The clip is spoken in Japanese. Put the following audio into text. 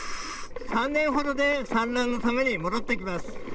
３年ほどで産卵のために戻ってきます。